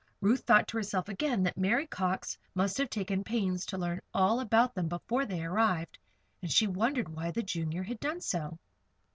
Ruth thought to herself again that Mary Cox must have taken pains to learn all about them before they arrived, and she wondered why the Junior had done so.